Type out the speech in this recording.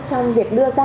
trong việc đưa ra